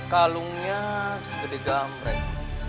kalungnya segede gamret